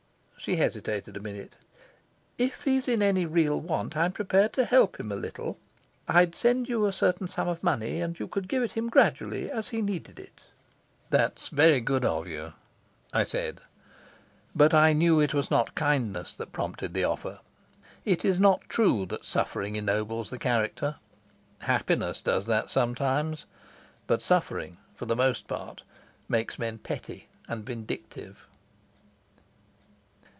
She hesitated a minute. "If he's in any real want I'm prepared to help him a little. I'd send you a certain sum of money, and you could give it him gradually, as he needed it." "That's very good of you," I said. But I knew it was not kindness that prompted the offer. It is not true that suffering ennobles the character; happiness does that sometimes, but suffering, for the most part, makes men petty and vindictive.